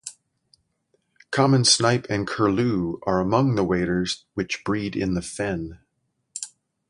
Common snipe and curlew are among the waders which breed in the fen.